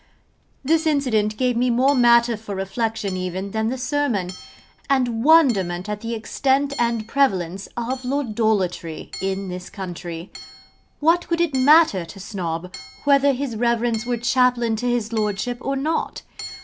This incident gave me more matter for reflection even than the sermon: and wonderment at the extent and prevalence of Lordolatory in this country. What could it matter to Snob whether his Reverence were chaplain to his Lordship or not?